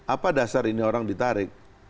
apa dasar ini orang ditarik